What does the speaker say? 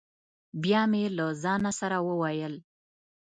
بیا مې له ځانه سره وویل: